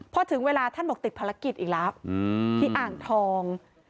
พอถึงเวลาท่านบอกติดภารกิจอีกแล้วที่อ่างทอง